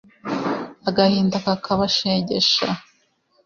agahinda kakabashegesha